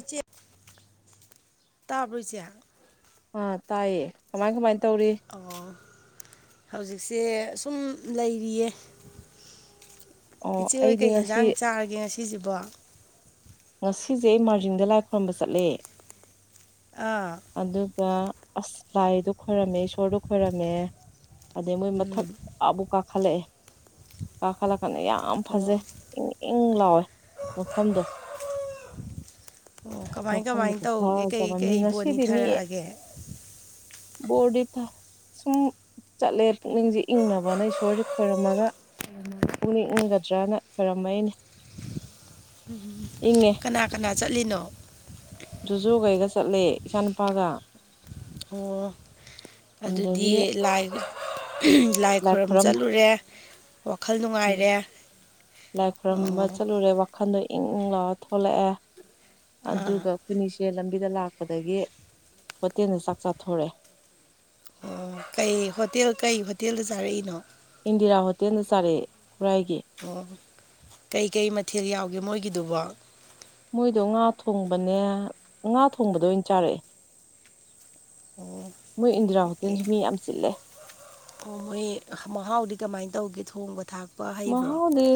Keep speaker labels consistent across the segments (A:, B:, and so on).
A: ꯏꯆꯦ ꯇꯥꯕ꯭ꯔꯣꯏ ꯏꯆꯦ
B: ꯑꯥ ꯇꯥꯏꯌꯦ ꯀꯃꯥꯏ ꯀꯃꯥꯏ ꯇꯧꯔꯤ
A: ꯑꯣ ꯍꯧꯖꯤꯛꯁꯦ ꯁꯨꯝ ꯂꯩꯔꯤꯌꯦ
B: ꯑꯣ
A: ꯏꯆꯦ ꯍꯣꯏ
B: ꯑꯩꯗꯤ
A: ꯀꯩ
B: ꯉꯁꯤ
A: ꯌꯦꯟꯖꯥꯡ ꯆꯥꯔꯒꯦ ꯉꯁꯤꯁꯤꯕꯣ
B: ꯉꯁꯤꯖꯦ ꯑꯩ ꯃꯥꯔꯖꯤꯡꯗ ꯂꯥꯏ ꯈꯣꯏꯔꯝꯕ ꯆꯠꯂꯦ
A: ꯑꯥ
B: ꯑꯗꯨꯒ ꯑꯁ ꯂꯥꯏꯗꯣ ꯈꯣꯏꯔꯝꯃꯦ ꯏꯁꯣꯔꯗꯣ ꯈꯣꯏꯔꯝꯃꯦ ꯑꯗꯩ ꯃꯣꯏ ꯃꯊꯛ ꯑꯥꯕꯨꯛ ꯀꯥꯈꯠꯂꯛꯑꯦ ꯀꯥꯈꯠꯂꯛꯀꯥꯟꯗ ꯌꯥꯝ ꯐꯖꯩ ꯏꯪ ꯏꯪ ꯂꯥꯎꯋꯦ ꯃꯐꯝꯗꯣ
A: ꯑꯣ ꯀꯃꯥꯏ
B: ꯃꯐꯝꯗꯨ
A: ꯀꯃꯥꯏ ꯇꯧꯒꯦ
B: ꯈꯨꯐꯥꯖ
A: ꯀꯩ
B: ꯑꯃ ꯃꯤ
A: ꯀꯩ ꯕꯣꯟ
B: ꯉꯁꯤꯗꯤ ꯃꯤ
A: ꯅꯤꯊꯔꯛꯑꯒꯦ
B: ꯕꯣꯔꯤꯊ ꯁꯨꯝ ꯆꯠꯂꯦ ꯄꯨꯛꯅꯤꯡꯖꯦ ꯏꯪꯅꯕꯅ ꯏꯁꯣꯔꯖꯦ ꯈꯣꯏꯔꯝꯃꯒ ꯄꯨꯛꯅꯤꯡ ꯏꯪꯒꯗ꯭ꯔꯥꯅ ꯈꯣꯏꯔꯝꯃꯛꯏꯅꯦ ꯏꯪꯉꯦ
A: ꯀꯅꯥ ꯀꯅꯥ ꯆꯠꯂꯤꯅꯣ
B: ꯖꯣꯖꯣꯒ ꯑꯩꯒ ꯆꯠꯂꯦ ꯏꯆꯥ ꯅꯨꯄꯥꯒ
A: ꯑꯣ ꯑꯗꯨꯗꯤ
B: ꯑꯗꯒꯤ
A: ꯂꯥꯏ ꯂꯥꯏ ꯈꯣꯏꯔꯝ ꯆꯠꯂꯨꯔꯦ ꯋꯥꯈꯜ ꯅꯨꯡꯉꯥꯏꯔꯦ
B: ꯂꯥꯏ ꯈꯣꯏꯔꯨꯝꯕ
A: ꯑꯣ
B: ꯆꯠꯂꯨꯔꯦ ꯋꯥꯈꯟꯗꯣ ꯏꯪ ꯏꯪ ꯂꯥꯎꯔ ꯊꯣꯛꯂꯛꯑꯦ
A: ꯑꯥ
B: ꯑꯗꯨꯒ ꯑꯩꯈꯣꯏꯅꯤꯁꯦ ꯂꯝꯕꯤꯗ ꯂꯥꯛꯄꯗꯒꯤ ꯍꯣꯇꯦꯜꯗ ꯆꯥꯛ ꯆꯥꯊꯣꯔꯛꯑꯦ
A: ꯑꯣ ꯀꯩ ꯍꯣꯇꯦꯜ ꯀꯩ ꯍꯣꯇꯦꯜꯗ ꯆꯥꯔꯛꯏꯅꯣ
B: ꯏꯟꯗꯤꯔꯥ ꯍꯣꯇꯦꯜꯗ ꯆꯥꯔꯛꯑꯦ ꯈꯨꯔꯥꯏꯒꯤ
A: ꯑꯣ ꯀꯩꯀꯩ ꯃꯊꯦꯜ ꯌꯥꯎꯒꯦ ꯃꯣꯏꯒꯤꯗꯨꯕꯣ
B: ꯃꯣꯏꯗꯣ ꯉꯥ ꯊꯣꯡꯕꯅꯦ ꯉꯥ ꯊꯣꯡꯕꯗꯣ ꯑꯣꯏꯅ ꯆꯥꯔꯛꯑꯦ ꯃꯣꯏ ꯏꯟꯗꯤꯔꯥ
A: ꯑꯦ
B: ꯍꯣꯇꯦꯜꯖꯨ ꯃꯤ ꯌꯥꯝ ꯆꯤꯜꯂꯦ
A: ꯑꯣ ꯃꯣꯏ ꯃꯍꯥꯎꯗꯤ ꯀꯃꯥꯏꯅ ꯇꯧꯒꯦ ꯊꯣꯡꯕ ꯊꯥꯛ
B: ꯃꯍꯥꯎꯗꯤ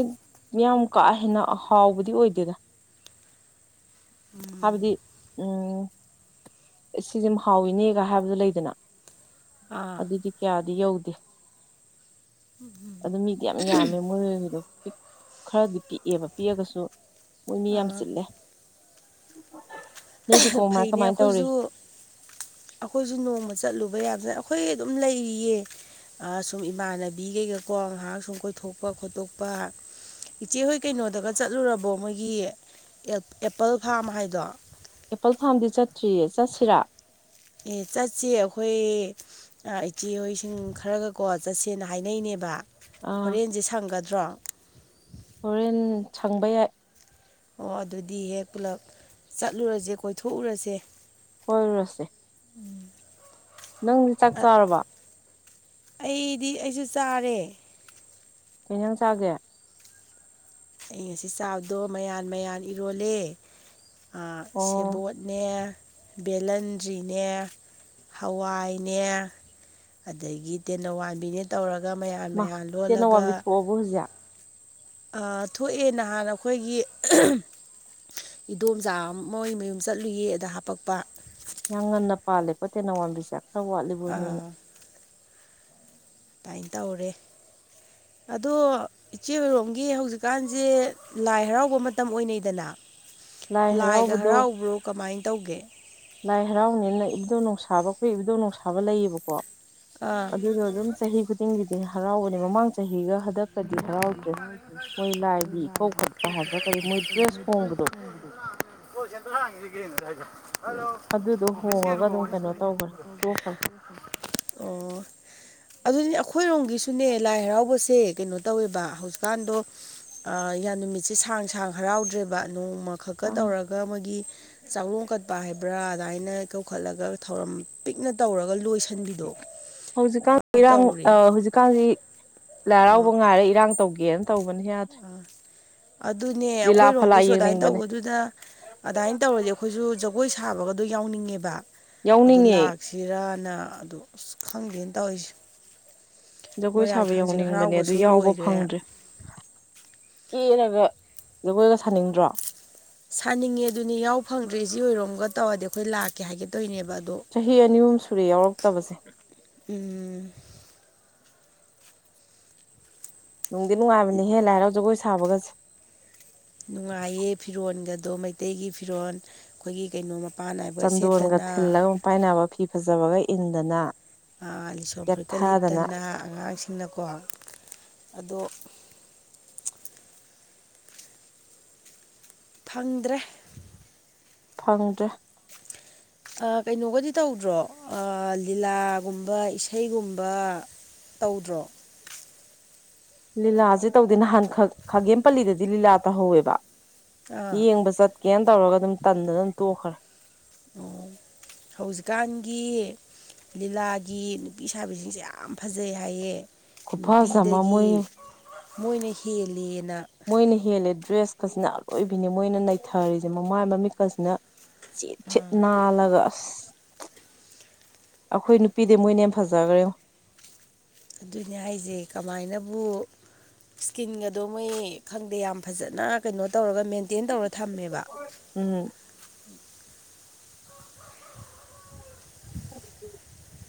B: ꯌꯥꯝ ꯀꯥ ꯍꯦꯟꯅ ꯑꯍꯥꯎꯕꯗꯤ ꯑꯣꯏꯗꯦꯗ ꯍꯥꯏꯕꯗꯤ ꯎꯝ ꯁꯤꯁꯦꯝ ꯍꯥꯎꯏꯅꯦꯒ ꯍꯥꯏꯕꯗꯨ ꯂꯩꯗꯅ
A: ꯑꯥ
B: ꯑꯗꯨꯗꯤ ꯀꯌꯥꯗꯤ ꯌꯧꯗꯦ꯫
A: [unintelligible]
B: ꯌꯝ ꯌꯥꯝ ꯑ ꯃꯣꯏꯒꯤꯗꯣ ꯄꯤꯛ ꯈꯔꯗꯤ ꯄꯤꯛꯑꯦꯕ ꯄꯤꯛꯑꯒꯁꯨ ꯃꯣꯏ ꯃꯤ ꯌꯥꯝ
A: ꯑꯥ
B: ꯆꯤꯜꯂꯦ꯫ ꯅꯣꯏꯗꯤ
A: [unintelligible]
B: ꯀꯃꯥꯏ
A: ꯐꯩꯅꯦ
B: ꯀꯃꯥꯏꯅ ꯇꯧꯔꯤ
A: ꯑꯈꯣꯏꯁꯨ ꯑꯈꯣꯏꯁꯨ ꯅꯣꯡꯃ ꯆꯠꯂꯨꯕ ꯌꯥꯝꯖ ꯑꯈꯣꯏ ꯑꯗꯨꯝ ꯂꯩꯔꯤꯌꯦ꯫ ꯑꯥ ꯁꯨꯝ ꯏꯃꯥꯟꯅꯕꯤ ꯀꯩꯒꯀꯣ ꯉꯥꯏꯍꯥꯛ ꯁꯨꯝ ꯀꯣꯏꯊꯣꯛꯄ ꯈꯣꯠꯇꯣꯛꯄ꯫ ꯏꯆꯦꯍꯣꯏ ꯀꯩꯅꯣꯗꯒ ꯆꯠꯂꯨꯔꯕꯣ ꯃꯣꯏꯒꯤ ꯑꯦꯞ ꯑꯦꯄꯜ ꯐꯥꯔꯝ ꯍꯥꯏꯗꯣ꯫
B: ꯑꯦꯄꯜ ꯐꯥꯔꯝꯗꯤ ꯆꯠꯇ꯭ꯔꯤꯌꯦ ꯆꯠꯁꯤꯔꯥ꯫
A: ꯑꯦ ꯆꯠꯁꯤ ꯑꯈꯣꯏ ꯑ ꯏꯆꯦꯍꯣꯏꯁꯤꯡ ꯈꯔꯒꯀꯣ ꯆꯠꯁꯦꯅ ꯍꯥꯏꯅꯩꯅꯦꯕ꯫
B: ꯑꯥ
A: ꯍꯣꯔꯦꯟꯁꯦ ꯁꯪꯒꯗ꯭ꯔꯣ꯫
B: ꯍꯣꯔꯦꯟ ꯁꯪꯕ ꯌꯥꯏ꯫
A: ꯑꯣ ꯑꯗꯨꯗꯤ ꯍꯦꯛ ꯄꯨꯂꯞ ꯆꯠꯂꯨꯔꯁꯦ ꯀꯣꯏꯊꯣꯛꯎꯔꯁꯦ꯫
B: ꯀꯣꯏꯔꯨꯔꯁꯦ꯫
A: ꯎꯝ
B: ꯅꯪꯗꯤ ꯆꯥꯛ ꯆꯥꯔꯕꫭ꯫
A: ꯑꯩꯗꯤ ꯑꯩꯁꯨ ꯆꯥꯔꯦ꯫
B: ꯀꯩ ꯍꯤꯟꯖꯥꯡ ꯆꯥꯒꯦ꯫
A: ꯑꯩ ꯉꯁꯤ ꯆꯥꯕꯗꯣ ꯃꯌꯥꯟ ꯃꯌꯥꯟ ꯏꯔꯣꯜꯂꯦ꯫ ꯑꯥ
B: ꯑꯣ
A: ꯁꯦꯕꯣꯠꯅꯦ꯫ ꯕꯦꯂꯟꯗ꯭ꯔꯤꯅꯦ ꯍꯋꯥꯏꯅꯦ꯫ ꯑꯗꯒꯤ ꯇꯦꯅꯧꯋꯥꯟꯕꯤꯅꯦ ꯇꯧꯔꯒ ꯃꯌꯥꯟ
B: ꯃꯥ
A: ꯃꯌꯥꯟ ꯂꯣꯜꯂꯒ
B: ꯇꯦꯅꯋꯥꯡꯕꯤ [unintelligible]
A: ꯑ ꯊꯣꯛꯑꯦ ꯅꯍꯥꯟ ꯑꯈꯣꯏꯒꯤ [unintelligible] ꯏꯗꯣꯝꯆꯥ ꯑꯃ ꯃꯣꯏ ꯃꯌꯨꯝ ꯆꯠꯂꯨꯌꯦ ꯑꯗ ꯍꯥꯄꯛꯄ꯫
B: ꯌꯥꯝ ꯉꯟꯅ ꯄꯥꯜꯂꯦꯀꯣ ꯇꯦꯅꯧꯋꯥꯝꯕꯤꯁꯦ ꯈꯔ ꯋꯥꯠꯂꯤꯕꫭ ꯅꯤꯡ
A: ꯗꯥꯏꯅ ꯇꯧꯔꯦ ꯑꯗꯣ ꯏꯆꯦ ꯑꯣꯏꯔꯣꯝꯒꯤ ꯍꯧꯖꯤꯛꯀꯥꯟꯁꯦ ꯂꯥꯏ ꯍꯔꯥꯎꯕ ꯃꯇꯝ ꯑꯣꯏꯅꯩꯗꯅ꯫
B: ꯂꯥꯏ
A: ꯂꯥꯏꯒ
B: ꯍꯔꯥꯎꯕꯗꯣ
A: ꯍꯔꯥꯎꯕ꯭ꯔꯣ ꯀꯃꯥꯏꯅ ꯇꯧꯒꯦ꯫
B: ꯂꯥꯏ ꯍꯔꯥꯎꯅꯦꯅ ꯏꯕꯨꯗꯧ ꯅꯨꯡꯁꯥꯕꯈꯣꯏ ꯏꯕꯨꯗꯧ ꯅꯨꯡꯁꯥꯕ ꯂꯩꯌꯦꯕꯀꯣ꯫
A: ꯑꯥ
B: ꯑꯗꯨꯗꯣ ꯑꯗꯨꯝ ꯆꯍꯤ ꯈꯨꯗꯤꯡꯒꯤꯗꯤ ꯍꯔꯥꯎꯕꯅꯤ ꯃꯃꯥꯡ ꯆꯍꯤꯒ ꯍꯟꯗꯛ
A: [unintelligible] [inaudible]
B: ꯏꯀꯧ ꯈꯠꯄ ꯍꯥꯏꯕ꯭ꯔꯥ ꯀꯔꯤ ꯃꯣꯏ ꯗ꯭ꯔꯦꯁ ꯍꯣꯡꯕꯗꯣ ꯑꯗꯨꯗꯣ ꯍꯣꯡꯉꯒ ꯑꯗꯨꯝ ꯀꯩꯅꯣ ꯇꯧꯈ꯭ꯔꯦ ꯇꯣꯛꯈ꯭ꯔꯦ
A: ꯑꯣ ꯑꯗꯨꯅꯦ ꯑꯈꯣꯏꯔꯣꯝꯒꯤꯁꯨꯅꯦ ꯂꯥꯏ ꯍꯔꯥꯎꯕꯁꯦ ꯀꯩꯅꯣ ꯇꯧꯋꯦꯕ ꯍꯧꯖꯤꯛꯀꯥꯟꯗꯣ ꯌꯥꯝ ꯅꯨꯃꯤꯠꯁꯦ ꯑ ꯁꯥꯡ-ꯁꯥꯡ ꯍꯔꯥꯎꯗ꯭ꯔꯦꯕ ꯅꯣꯡꯃ ꯈꯛꯀ
B: ꯑꯥ
A: ꯇꯧꯔꯒ ꯃꯣꯏꯒꯤ ꯆꯥꯛꯔꯣꯡ ꯀꯠꯄ ꯍꯥꯏꯕ꯭ꯔꯥ ꯑꯗꯨꯃꯥꯏꯅ ꯀꯧꯈꯠꯂꯒ ꯊꯧꯔꯝ ꯄꯤꯛꯅ ꯇꯧꯔꯒ ꯂꯣꯏ
B: ꯍꯧꯖꯤꯛꯀꯥꯟ ꯏꯔꯥꯡꯑ ꯍꯧꯖꯤꯛꯀꯥꯟꯁꯤ ꯂꯥꯏ
A: ꯑꯥ
B: ꯍꯔꯥꯎꯕ ꯉꯥꯏꯔꯦ ꯏꯔꯥꯡ ꯇꯧꯒꯦꯅ ꯇꯧꯕꯅꯦ ꯌꯥ
A: ꯑꯥ ꯑꯗꯨꯅꯦ
B: ꯐꯂꯥ
A: ꯑꯩꯈꯣꯏꯔꯣꯝꯒꯤꯁꯨ ꯑꯗꯨꯃꯥꯏꯅ
B: ꯌꯦꯡꯅꯤꯡꯕꯅꯦ
A: ꯇꯧꯕꯗꯨꯗ ꯑꯗꯥꯏꯅ ꯇꯧꯔꯗꯤ ꯑꯩꯈꯣꯏꯁꯨ ꯖꯒꯣꯏ ꯁꯥꯕꯒꯗꯣ ꯌꯥꯎꯅꯤꯡꯉꯦꯕ꯫
B: ꯌꯥꯎꯅꯤꯡꯉꯦ꯫
A: ꯁꯤꯔꯥꯅ ꯑꯗꯨ ꯑꯁ ꯈꯪꯗꯦꯅ ꯇꯧꯔꯤꯁꯦ꯫
B: ꯖꯒꯣꯏ
A: ꯃꯣꯏꯔꯥꯡ
B: ꯁꯥꯕ
A: ꯊꯥꯡꯖꯤꯡ
B: ꯌꯥꯎꯅꯤꯡꯕꯅꯦ ꯑꯗꯨ
A: ꯍꯔꯥꯎꯕꯁꯨ
B: ꯌꯥꯎꯕ
A: ꯂꯣꯏꯈ꯭ꯔꯦ
B: ꯐꯪꯗ꯭ꯔꯦ ꯀꯦꯔꯒ ꯖꯒꯣꯏꯒ ꯁꯥꯅꯤꯡꯗ꯭ꯔꯣ?
A: ꯁꯥꯅꯤꯡꯉꯦ ꯑꯗꯨꯅꯤ ꯌꯥꯎ ꯐꯪꯗ꯭ꯔꯦ ꯁꯤ ꯏꯆꯦ ꯑꯣꯏꯔꯣꯝꯒ ꯇꯧꯔꯗꯤ ꯑꯩꯈꯣꯏ ꯂꯥꯛꯀꯦ ꯍꯥꯏꯒꯦꯠꯇꯣꯏꯅꯦꯕ ꯑꯗꯣ꯫
B: ꯆꯍꯤ ꯑꯅꯤ ꯑꯍꯨꯝ ꯁꯨꯔꯦ ꯌꯥꯎꯔꯛꯇꯕꯁꯦ꯫
A: ꯎꯝ
B: ꯅꯨꯡꯗꯤ ꯅꯨꯡꯉꯥꯏꯕꯅꯦꯍꯦ ꯂꯥꯏ ꯍꯔꯥꯎ ꯖꯒꯣꯏ ꯁꯥꯕꯒꯁꯦ꯫
A: ꯅꯨꯡꯉꯥꯏꯌꯦ ꯐꯤꯔꯣꯜꯒꯗꯣ ꯃꯩꯇꯩꯒꯤ ꯐꯤꯔꯣꯜ ꯑꯩꯈꯣꯏꯒꯤ ꯀꯩꯅꯣ꯫ ꯃꯄꯥꯟ ꯅꯥꯏꯕ ꯁꯦꯠꯇꯅ꯫
B: ꯄꯥꯏꯅꯕ ꯐꯤ ꯐꯖꯕꯒ ꯏꯟꯗꯅ꯫
A: ꯑ ꯂꯤꯁꯣꯟꯝ ꯐꯨꯔꯤꯠꯀ
B: ꯌꯦꯠꯊꯗꯅ
A: ꯂꯤꯠꯇꯅ ꯑꯉꯥꯡꯁꯤꯡꯅꯀꯣ ꯑꯗꯣ꯫ ꯐꯪꯗ꯭ꯔꯦ
B: ꯐꯪꯗ꯭ꯔꯦ
A: [unintelligible] ꯑꯥ ꯀꯩꯅꯣꯒꯗꯤ ꯇꯧꯗ꯭ꯔꯣ ꯑꯥ ꯂꯤꯂꯥꯒꯨꯝꯕ ꯏꯁꯩꯒꯨꯝꯕ ꯇꯧꯗ꯭ꯔꯣ
B: ꯂꯤꯂꯥꯁꯦ ꯇꯧꯗꯦ ꯅꯍꯥꯟ ꯈꯥꯒꯦꯝ ꯄꯜꯂꯤꯗꯗꯤ ꯂꯤꯂꯥ ꯇꯧꯍꯧꯋꯦꯕ
A: ꯑꯥ
B: ꯌꯦꯡꯕ ꯆꯠ ꯀꯀꯦꯟ ꯇꯧꯔꯒ ꯑꯗꯨꯝ ꯇꯟꯗ ꯑꯗꯨꯝ ꯇꯣꯛꯈ꯭ꯔꯦ
A: ꯑꯣ ꯍꯧꯖꯤꯛꯀꯥꯟꯒꯤ ꯂꯤꯂꯥꯒꯤ ꯅꯨꯄꯤ ꯁꯥꯕꯤꯁꯤꯡꯁꯦ ꯌꯥꯝ ꯐꯖꯩ ꯍꯥꯏꯌꯦ
B: ꯈꯨꯐꯖ ꯑꯃ
A: ꯅꯨꯄꯤꯗꯒꯤ
B: ꯃꯣꯏ
A: ꯃꯣꯏꯅ ꯍꯦꯜꯂꯦꯅ
B: ꯃꯣꯏꯅ ꯍꯦꯜꯂꯦ ꯗ꯭ꯔꯦꯁꯀꯁꯤꯅ ꯑꯂꯣꯏꯕꯤꯅꯦ ꯃꯣꯏꯅ ꯅꯩꯊꯔꯤꯁꯦ ꯃꯃꯥꯏ ꯃꯃꯤꯠꯀꯁꯤꯅ ꯁꯤꯠ ꯁꯤꯠ ꯅꯥꯜꯂꯒ ꯑꯁ ꯑꯩꯈꯣꯏ ꯅꯨꯄꯤꯗꯤ ꯃꯣꯏꯅ ꯌꯥꯝ ꯐꯖꯈ꯭ꯔꯦ
A: ꯑꯗꯨꯏꯅꯦ ꯍꯥꯏꯁꯦ ꯀꯃꯥꯏꯅꯕꯨ ꯁ꯭ꯀꯤꯟꯒꯗꯣ ꯃꯣꯏ ꯈꯪꯗꯦ ꯌꯥꯝ ꯐꯖꯅ ꯀꯩꯅꯣ ꯇꯧꯔꯒ ꯃꯦꯟꯇꯦꯟ ꯇꯧꯔ ꯊꯝꯃꯦꯕ
B: ꯎꯝ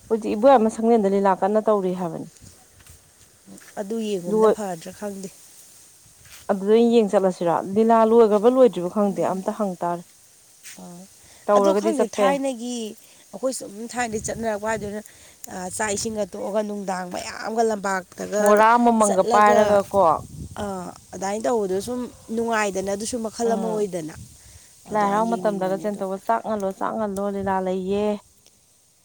B: ꯍꯧꯖꯤꯛ ꯏꯕꯣꯏ ꯑꯃ ꯁꯪꯂꯦꯟꯗ ꯂꯤꯂꯥ ꯀꯟꯅ ꯇꯧꯔꯤ ꯍꯥꯏꯕꯅꯤ
A: ꯑꯗꯨ ꯌꯦꯡꯉꯣꯅ
B: ꯂꯣꯏ
A: ꯐꯗ꯭ꯔꯥ ꯈꯪꯗꯦ
B: ꯑꯗꯨꯗ ꯌꯦꯡ ꯆꯠꯂꯁꯤꯔꯣ ꯂꯤꯂꯥ ꯂꯣꯏꯈ꯭ꯔꯕ ꯂꯣꯏ ꯍꯧꯖꯤꯕꯨ ꯈꯪꯗꯦ ꯑꯝꯇ ꯍꯪꯇꯥꯥꯔꯦ ꯇꯧꯔꯒꯗꯤ ꯆꯠꯄꯥꯌꯥꯏ
A: ꯒꯤ ꯑꯩꯈꯣꯏ ꯁꯨꯝ ꯊꯥꯏꯅꯗꯒꯤ ꯆꯠꯅꯔꯛꯄ ꯍꯥꯏꯗꯨꯅ ꯆꯥꯛ ꯏꯁꯤꯡꯒ ꯇꯣꯛꯑꯒ ꯅꯨꯡꯗꯥꯡ ꯃꯌꯥꯝꯒ ꯂꯝꯄꯥꯛ ꯅꯒ
B: ꯃꯣꯔꯥ ꯑꯃꯃꯝꯒ
A: ꯆꯠꯂꯒ
B: ꯄꯥꯏꯔꯒ ꯀꯣ
A: ꯑꯥ ꯑꯗꯨꯃꯥꯏꯅ ꯇꯧꯕꯗꯣ ꯁꯨꯝ ꯅꯨꯡꯉꯥꯏꯗꯅ ꯑꯗꯨꯁꯨꯨꯝ ꯃꯈ ꯑꯃ
B: ꯎꯝ
A: ꯑꯣꯏꯗꯅ ꯑꯗꯣ ꯑꯩ ꯌꯦꯡꯅꯤꯡꯕꯅꯦ ꯑꯗꯣ
B: ꯆꯥꯡꯍꯜꯂꯣ ꯂꯤꯂꯥ ꯂꯩꯌꯦ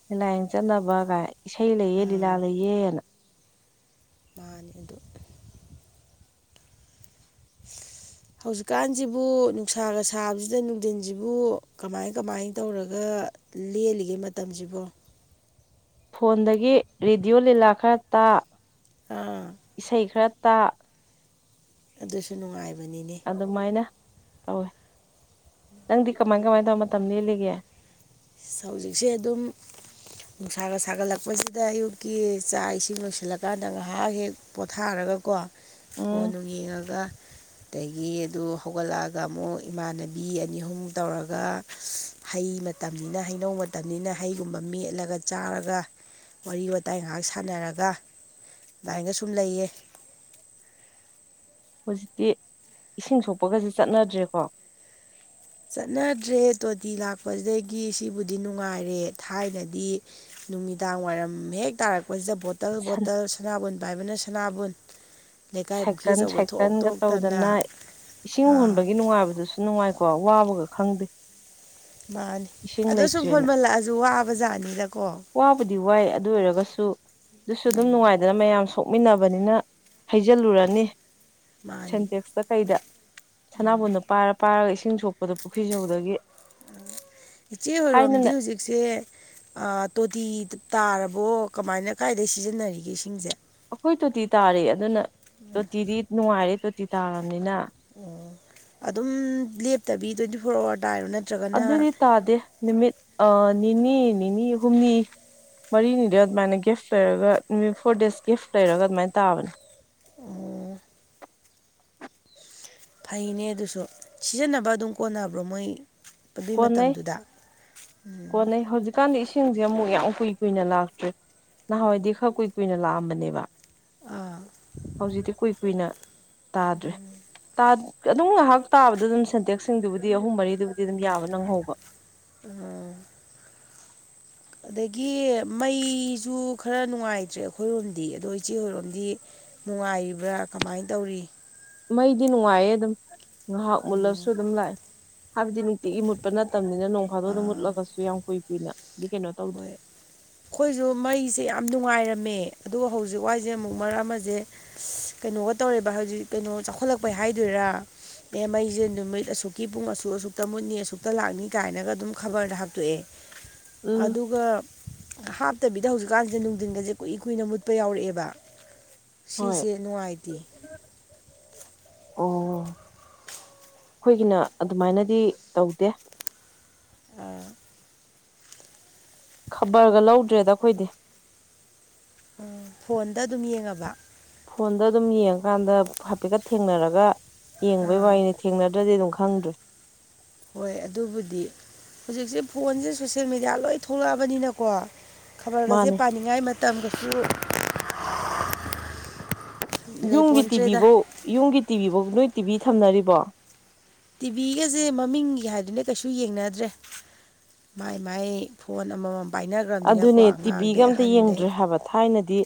B: ꯂꯤꯂꯥꯏ ꯌꯦꯡ ꯆꯠꯅꯕꯒꯥꯏ ꯏꯁꯩ ꯂꯩꯌꯦ
A: ꯑꯥ
B: ꯂꯤꯂꯥ ꯂꯩꯌꯦꯅ
A: ꯃꯥꯅꯤ ꯑꯗꯨ [unintelligible] ꯍꯧꯖꯤꯛꯀꯥꯟꯁꯤꯕꯨ ꯅꯨꯡꯁꯥꯒ ꯁꯥꯕꯁꯤꯗ ꯅꯨꯡꯊꯤꯟꯁꯤꯕꯨ ꯀꯃꯥꯏ ꯀꯃꯥꯏ ꯇꯧꯔꯒ ꯂꯦꯜꯂꯤꯒꯦ ꯃꯇꯝꯁꯤꯕꯣ
B: ꯐꯣꯟꯗꯒꯤ ꯔꯦꯗꯤꯑꯣ ꯂꯤꯂꯥ ꯈꯔ ꯇ
A: ꯑꯥ
B: ꯏꯁꯩ ꯈꯔ ꯇꯥ
A: ꯑꯗꯨꯁꯨ ꯅꯨꯡꯉꯥꯏꯕꯅꯤꯅꯦ
B: ꯑꯗꯨꯃꯥꯏꯅ ꯇꯧꯋꯦ ꯅꯪꯗꯤ ꯀꯃꯥꯏ ꯀꯃꯥꯏ ꯇꯧꯔꯒꯥ ꯃꯇꯝ ꯂꯦꯜꯂꯤꯒꯦ
A: ꯍꯧꯖꯤꯛꯁꯦ ꯑꯗꯨꯝ ꯅꯨꯡꯁꯥꯒ ꯁꯥꯒꯠꯂꯛꯄꯁꯤꯗ ꯑꯌꯨꯛꯀꯤ ꯆꯥꯛ ꯏꯁꯤꯡ ꯂꯣꯏꯁꯤꯜꯂꯀꯥꯟꯗ ꯉꯍꯥꯛ ꯍꯦꯛ ꯄꯣꯊꯥꯔꯒꯀꯣ ꯐꯣꯟ
B: ꯎꯝ
A: ꯅꯨꯡ ꯌꯦꯡꯉꯒ ꯑꯗꯒꯤ ꯑꯗꯨ ꯍꯧꯒꯠꯂꯛꯑꯒ ꯑꯃꯨꯛ ꯏꯃꯥꯟꯅꯕꯤ ꯑꯅꯤ ꯑꯍꯨꯝ ꯇꯧꯔꯒ ꯍꯩ ꯇꯝꯅꯤꯅ ꯍꯩꯅꯧ ꯃꯇꯝꯅꯤꯅ ꯍꯩꯒꯨꯝꯕ ꯃꯦꯠꯂꯒ ꯆꯥꯔꯒ ꯋꯥꯔꯤ ꯋꯥꯇꯥꯏ ꯉꯍꯥꯛ ꯁꯥꯟꯅꯔꯒ ꯑꯗꯥꯏꯒ ꯁꯨꯝ ꯂꯩꯌꯦ
B: ꯍꯧꯖꯤꯛꯇꯤ ꯏꯁꯤꯡ ꯁꯣꯛꯄꯒꯁꯦ ꯆꯠꯅꯗ꯭ꯔꯦꯀꯣ
A: ꯆꯠꯅꯗ꯭ꯔꯦ ꯇꯣꯇꯤ ꯂꯥꯛꯄꯁꯤꯗꯒꯤ ꯁꯤꯕꯨꯗꯤ ꯅꯨꯡꯉꯥꯏꯔꯦ ꯊꯥꯏꯅꯗꯤ ꯅꯨꯃꯤꯗꯥꯡ ꯋꯥꯏꯔꯝ ꯍꯦꯛ ꯇꯥꯔꯛꯄꯁꯤꯗ ꯕꯣꯠ ꯇꯜ ꯕꯣꯇꯜ ꯁꯅꯥꯕꯨꯟ ꯄꯥꯏꯕꯅ ꯁꯅꯥꯕꯨꯟ ꯂꯩꯀꯥꯏ ꯄꯨꯈ꯭ꯔꯤ
B: ꯁꯥꯏꯀꯜ
A: ꯑꯆꯧꯕꯗ ꯊꯣꯛ
B: ꯁꯥꯏꯀꯟꯒ
A: ꯊꯣꯛꯇꯅ
B: ꯇꯧꯗꯅ ꯏꯁꯤꯡ
A: ꯑꯥ
B: ꯍꯣꯟꯕꯒꯤ ꯅꯨꯡꯉꯥꯏꯕꯗꯨꯁꯨ ꯅꯨꯡꯉꯥꯏꯀꯣ ꯋꯥꯕꯒ ꯈꯪꯗꯦ
A: ꯃꯥꯅꯤ
B: ꯏꯁꯤꯡ
A: ꯑꯗꯣ ꯁꯨꯝ
B: ꯂꯩꯇ꯭ꯔꯦꯅ
A: ꯍꯣꯟꯃꯜꯂꯛꯑꯁꯨ ꯋꯥꯕꯖꯥꯠꯅꯤꯗꯀꯣ
B: ꯋꯥꯕꯨꯗꯤ ꯋꯥꯏ ꯑꯗꯨ ꯑꯣꯏꯔꯒꯁꯨ ꯑꯗꯨꯁꯨ ꯑꯗꯨꯝ ꯅꯨꯡꯉꯥꯏꯗꯅ ꯃꯌꯥꯝ ꯁꯣꯛ ꯃꯤꯟꯅꯕꯅꯤꯅ ꯍꯩꯖꯤꯜꯂꯨꯔꯅꯤ
A: ꯃꯥꯅꯤ
B: ꯁꯦꯟꯇꯦꯛꯁꯇ ꯀꯩꯗ ꯁꯅꯥꯕꯨꯟꯗꯣ ꯄꯥꯏꯔ ꯄꯥꯏꯔꯒ ꯏꯁꯤꯡ ꯁꯣꯛꯄꯗꯣ ꯄꯨꯈ꯭ꯔꯤ ꯖꯧꯗꯒꯤ
A: ꯏꯆꯦ ꯍꯣꯏꯔꯣꯝꯗꯤ ꯁꯦ ꯑꯥ ꯇꯣꯇꯤ ꯇꯥꯔꯕꯣ ꯀꯃꯥꯏꯅ ꯀꯥꯏꯗꯩꯩ ꯁꯤꯖꯤꯟꯅꯔꯤꯒꯦ ꯏꯁꯤꯡꯁꯦ
B: ꯑꯈꯣꯏ ꯇꯣꯇꯤ ꯇꯥꯔꯦ ꯑꯗꯨꯅ ꯇꯣꯇꯤꯗꯤ ꯅꯨꯡꯉꯥꯏꯔꯦ ꯇꯣꯇꯤ ꯇꯥꯔꯕꯅꯤꯅ
A: ꯑꯣ ꯑꯗꯨꯝ ꯂꯦꯞꯇꯕꯤ ꯇ꯭ꯋꯦꯟꯇꯤ ꯐꯣꯔ ꯑꯋꯥꯔꯗꯥꯏꯔꯣ ꯅꯠꯇ
B: ꯑꯗꯨꯗꯤ ꯇꯥꯗꯦ ꯅꯨꯃꯤꯠ ꯑꯥ ꯅꯤꯅꯤ ꯅꯤꯅꯤ ꯍꯨꯝꯅꯤ ꯃꯔꯤꯅꯤꯗ ꯑꯗꯨꯃꯥꯏꯅ ꯒꯦꯐ ꯂꯩꯔꯒ ꯅꯨꯃꯤꯠ ꯐꯣꯔ ꯗꯦꯖ ꯒꯤꯐ ꯂꯩꯔꯒ ꯑꯗꯨꯃꯥꯏꯅ ꯇꯥꯕꯅꯦ
A: ꯑꯣ ꯐꯩꯅꯦ ꯑꯗꯨꯁꯨ ꯁꯤꯖꯤꯟꯅꯕ ꯑꯗꯨꯝ ꯀꯣꯟꯅꯕ꯭ꯔꯣ ꯃꯣꯏ ꯑꯗꯨꯏ
B: ꯀꯣꯟꯅꯩ
A: ꯃꯇꯝꯗꯨꯗ ꯎꯝ
B: ꯀꯥꯟꯗꯤ ꯏꯁꯤꯡꯁꯦ ꯑꯃꯨꯛ ꯌꯥꯝ ꯀꯨꯏ ꯀꯨꯏꯅ ꯂꯥꯛꯇꯔꯦ ꯅꯍꯥꯟꯋꯥꯏꯗꯤ ꯈꯔ ꯀꯨꯏ ꯀꯨꯏꯅ ꯂꯥꯛꯑꯝꯕꯅꯦꯕ
A: ꯑꯥ
B: ꯍꯧꯖꯤꯛꯇꯤ ꯀꯨꯏ ꯀꯨꯏꯅ ꯇꯥꯗ꯭ꯔꯦ ꯇꯥ ꯑꯗꯨꯝ ꯉꯥꯍꯥꯛ ꯇꯥꯕꯗ ꯑꯗꯨꯝ ꯁꯦꯟꯇꯦꯛꯁꯁꯤꯡꯗꯨꯕꯨꯗꯤ ꯑꯍꯨꯝ ꯃꯔꯤꯗꯨꯕꯨꯗꯤ ꯑꯗꯨꯝ ꯌꯥꯕ ꯅꯪꯍꯧꯕ
A: ꯑꯣ ꯑꯗꯒꯤ ꯃꯩꯁꯨ ꯈꯔ ꯅꯨꯡꯉꯥꯏꯇ꯭ꯔꯦ ꯑꯈꯣꯏꯔꯣꯝꯗꯤ ꯑꯗꯣ ꯏꯆꯦ ꯍꯣꯏꯔꯣꯝꯗꯤ ꯅꯨꯡꯉꯥꯏꯔꯤꯕ꯭ꯔꯥ ꯀꯃꯥꯏ ꯇꯧꯔꯤ
B: ꯃꯩꯗꯤ ꯅꯨꯡꯉꯥꯏꯌꯦ ꯑꯗꯨꯝ ꯉꯥꯍꯥꯛ
A: ꯎꯝ
B: ꯃꯨꯠꯂꯁꯨ ꯑꯗꯨꯝ ꯂꯥꯛꯑꯦ ꯍꯥꯏꯕꯗꯤ ꯅꯨꯡꯇꯤꯒꯤ ꯃꯨꯠꯄ ꯅꯠꯇꯕꯅꯤꯅ ꯅꯣꯡꯐꯥꯗꯣꯛ ꯑꯗꯨꯝ
A: ꯑꯥ
B: ꯃꯨꯠꯂꯒꯁꯨ ꯌꯥꯝ ꯀꯨꯏ ꯀꯨꯏꯅꯗꯤ ꯀꯩꯅꯣ ꯇꯧꯗꯦ
A: ꯑꯈꯣꯏꯁꯨ ꯃꯩꯁꯦ ꯌꯥꯝ ꯅꯨꯡꯉꯥꯏꯔꯝꯃꯦ ꯑꯗꯨꯒ ꯍꯧꯖꯤꯛ ꯋꯥꯏꯁꯦ ꯑꯃꯨꯛ ꯃꯔꯛ ꯑꯃꯁꯦ ꯀꯩꯅꯣꯒ ꯇꯧꯔꯦꯕ ꯍꯧꯖꯤꯛ ꯀꯩꯅꯣ ꯆꯥꯎꯈꯠꯂꯛꯄꯩ ꯍꯥꯏꯗꯣꯏꯔꯥ ꯑꯦ ꯃꯩꯁꯦ ꯅꯨꯃꯤꯠ ꯑꯁꯨꯛꯀꯤ ꯄꯨꯡ ꯑꯁꯨꯛ ꯑꯁꯨꯛꯇ ꯃꯨꯠꯅꯤ ꯑꯁꯨꯛꯇ ꯂꯥꯛꯅꯤ ꯀꯥꯏꯅꯒ ꯑꯗꯨꯝ ꯈꯕꯔꯗ ꯍꯥꯞꯇꯣꯛꯑꯦ
B: ꯎꯝ
A: ꯑꯗꯨꯒ ꯍꯥꯞꯇꯕꯤꯗ ꯍꯧꯖꯤꯛꯀꯥꯟꯁꯤ ꯅꯨꯡꯗꯤꯟꯒꯁꯦ ꯀꯨꯏ ꯀꯨꯏꯅ ꯃꯨꯠꯄ ꯌꯥꯎꯔꯛꯑꯦꯕ
B: ꯍꯣꯏ
A: ꯁꯤꯁꯦ ꯅꯨꯡꯉꯥꯏꯇꯦ
B: ꯑꯣ ꯑꯈꯣꯏꯒꯤꯅ ꯑꯗꯨꯃꯥꯏꯅꯗꯤ ꯇꯧꯗꯦ
A: ꯑꯥ
B: ꯈꯕꯔꯒ ꯂꯧꯗ꯭ꯔꯦꯗ ꯑꯈꯣꯏꯗꯤ
A: ꯎꯝ ꯐꯣꯟꯗ ꯑꯗꯨꯝ ꯌꯦꯡꯉꯕ
B: ꯐꯣꯟꯗ ꯑꯗꯨꯝ ꯌꯦꯡꯉꯀꯥꯟꯗ ꯍꯥꯏꯐꯦꯠꯀ ꯊꯦꯡꯅꯔꯒ ꯌꯦꯡꯕꯩ
A: ꯑꯥ
B: ꯋꯥꯔꯤꯅꯤ ꯊꯦꯡꯅꯗ꯭ꯔꯗꯤ ꯑꯗꯨꯝ ꯈꯪꯗ꯭ꯔꯦ
A: ꯍꯣꯏ ꯑꯗꯨꯕꯨꯗꯤ ꯍꯧꯖꯤꯛꯁꯦ ꯐꯣꯟꯁꯦ ꯁꯣꯁꯦꯜ ꯃꯦꯗꯤꯌꯥ ꯂꯣꯏ ꯊꯣꯛꯂꯛꯑꯕꯅꯤꯅꯀꯣ ꯈꯕꯥꯔꯒꯁꯦ
B: ꯃꯥꯅꯦ
A: ꯄꯥꯅꯤꯡꯉꯥꯏ ꯃꯇꯝꯁꯨ
B: ꯌꯨꯝꯒꯤ ꯇꯤꯚꯤ
A: ꯂꯩꯄꯣꯟꯇ꯭ꯔꯦꯗ
B: ꯐꯧ ꯌꯨꯝꯒꯤ ꯇꯤꯚꯤ ꯐꯧ ꯅꯣꯏ ꯇꯤꯚꯤ ꯊꯝꯅꯔꯤꯕꯣ
A: ꯇꯤꯚꯤꯒꯁꯦ ꯃꯃꯤꯡꯒꯤ ꯍꯥꯏꯗꯨꯅꯦ ꯀꯩꯁꯨ ꯌꯦꯡꯅꯗ꯭ꯔꯦ ꯃꯥꯏ ꯃꯥꯏ ꯐꯣꯟ ꯑꯃꯃꯝ ꯄꯥꯏꯅꯈ꯭ꯔꯕꯅꯤꯅꯀꯣ
B: ꯑꯗꯨꯅꯦ ꯇꯤꯚꯤꯒ
A: ꯑꯉꯥꯡꯗꯩ
B: ꯑꯝꯇ
A: ꯑꯍꯟꯗꯩ
B: ꯌꯦꯡꯗ꯭ꯔꯦ ꯍꯥꯏꯕ ꯊꯥꯏꯅꯗꯤ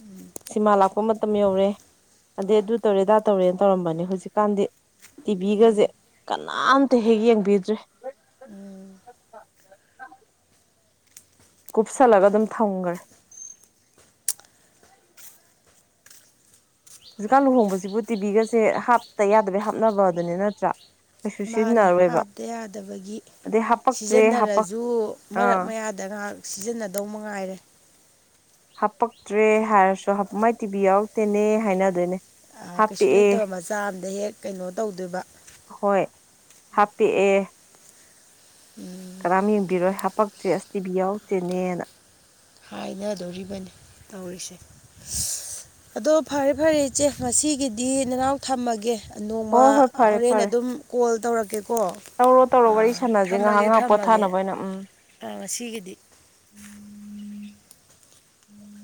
B: ꯁꯤꯃꯥ ꯂꯥꯛꯄ ꯃꯇꯝ ꯌꯧꯔꯦ ꯑꯗꯩ ꯑꯗꯨ ꯇꯧꯔꯦ ꯑꯗꯥ ꯇꯧꯔꯦꯅ ꯇꯧꯔꯝꯕꯅꯦ ꯍꯧꯖꯤꯛꯀꯥꯟꯗꯤ ꯇꯤꯚꯤꯒꯁꯦ ꯀꯅꯥꯝꯇ ꯍꯦꯛ ꯌꯦꯡꯕꯤꯗ꯭ꯔꯦ
A: ꯎꯝ
B: ꯀꯨꯞꯁꯜꯂꯒ ꯑꯗꯨꯝ ꯊꯝꯈ꯭ꯔꯦ ꯍꯧꯖꯤꯛꯀꯥꯟ ꯂꯨꯍꯣꯡꯕꯁꯤꯕꯨ ꯇꯤꯕꯤꯒꯁꯦ ꯍꯥꯞꯇ ꯌꯥꯗꯕꯩ ꯍꯥꯞꯅꯕ ꯑꯗꯨꯅꯤ ꯅꯠꯇ꯭ꯔꯥ ꯀꯩꯁꯨ
A: ꯃꯥꯅꯦ
B: ꯁꯤꯖꯤꯟꯅꯔꯣꯏꯕ
A: ꯍꯥꯞꯇ ꯌꯥꯗꯕꯒꯤ
B: ꯑꯗꯩ ꯍꯥꯄꯛꯇ꯭ꯔꯦ ꯍꯥꯄꯛ
A: ꯁꯤꯖꯤꯟꯅꯔꯁꯨ ꯃꯔꯛ
B: ꯑꯥ
A: ꯃꯌꯥꯗ ꯗ ꯉꯥꯏꯍꯥꯛ ꯁꯤꯖꯤꯟꯅꯗꯧ ꯃꯉꯥꯏꯔꯦ
B: ꯍꯥꯞꯄꯛꯇ꯭ꯔꯦ ꯍꯥꯏꯔꯁꯨ ꯃꯥꯏ ꯇꯤꯚꯤ ꯌꯥꯎꯔꯛꯇꯦꯅꯦ ꯍꯥꯏꯅꯗꯣꯏꯅꯦ
A: ꯀꯩꯁꯨ
B: ꯍꯥꯞꯄꯛꯑꯦ
A: ꯂꯩꯇꯕ ꯃꯆꯥ ꯑꯝꯗ ꯍꯦꯛ ꯀꯩꯅꯣ ꯇꯧꯗꯣꯏꯕ
B: ꯍꯣꯏ ꯍꯥꯞꯄꯛꯑꯦ ꯀꯅꯥꯝ ꯌꯦꯡꯕꯤꯔꯣꯏ ꯍꯥꯞꯄꯛꯇ꯭ꯔꯦ ꯑꯁ ꯇꯤꯚꯤ ꯌꯥꯎꯗꯦꯅꯦꯅ
A: ꯍꯥꯏꯅꯗꯣꯔꯤꯕꯅꯤ ꯇꯧꯔꯤꯁꯦ ꯑꯗꯣ ꯐꯔꯦ ꯐꯔꯦ ꯏꯆꯦ ꯉꯁꯤꯒꯤꯗꯤ ꯅꯅꯥꯎ ꯊꯝꯃꯒꯦ ꯅꯣꯡꯃ
B: ꯍꯣꯏ ꯍꯣꯏ ꯐꯔꯦ
A: ꯍꯣꯔꯦꯟ
B: ꯐꯔꯦ
A: ꯑꯗꯨꯝ ꯀꯣꯜ ꯇꯧꯔꯛꯀꯦꯀꯣ
B: ꯇꯧꯔꯣ ꯇꯧꯔꯣ ꯋꯥꯔꯤ
A: ꯑꯥ
B: ꯁꯥꯟꯅꯁꯦ ꯉꯥꯏꯍꯥꯛ
A: ꯊꯝꯃꯒꯦ
B: ꯉꯥꯏꯍꯥꯛ
A: ꯊꯝꯃꯒꯦ
B: ꯄꯣꯠꯊꯥꯅꯕ ꯑꯣꯏꯅ ꯎꯝ
A: ꯑꯥ ꯉꯁꯤꯒꯤꯗꯤ